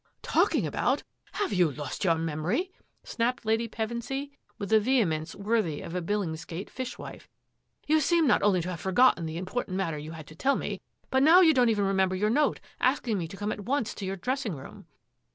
"Talking about! Have you lost your mem 7 8 THAT AFFAIR AT THE MANOR ory ?snapped Lady Pevensy , with a vehemence worthy a Billingsgate fishwife. " You seem not only to have forgotten the important matter you had to tell me, but now you don't even remember your note asking me to come at once to your dress ing room."